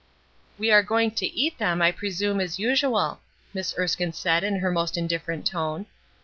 "We are going to eat them, I presume, as usual," Miss Erskine said in her most indifferent tone.